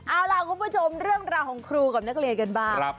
เอาล่ะคุณผู้ชมเรื่องราวของครูกับนักเรียนกันบ้าง